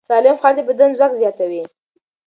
سالم خواړه د بدن ځواک زیاتوي.